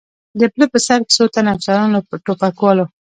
د پله په سر کې څو تنه افسران، له ټوپکوالو.